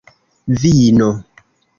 vino